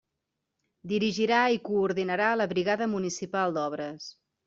Dirigirà i coordinarà la brigada municipal d'obres.